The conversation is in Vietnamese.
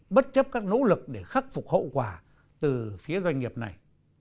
bất chấp các nỗ lực để khắc phục hậu quả từ phía doanh nghiệp này